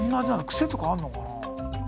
癖とかあんのかな？